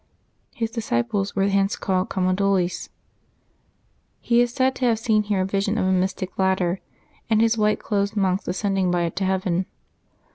His disci ples were hence called Camaldolese. He is said to have seen here a vision of a mystic ladder, and his white clothed monks ascending by it to heaven.